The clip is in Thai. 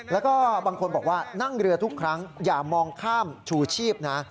แล้วก็บางคนบอกว่านั่งเรือทุกครั้งอย่ามองข้ามชูชีพนะ